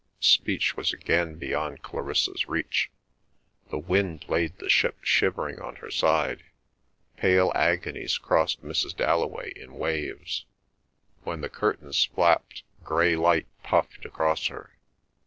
Speech was again beyond Clarissa's reach. The wind laid the ship shivering on her side. Pale agonies crossed Mrs. Dalloway in waves. When the curtains flapped, grey lights puffed across her.